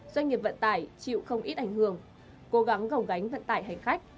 doanh nghiệp vận tải chịu không ít ảnh hưởng cố gắng gòng gánh vận tải hành khách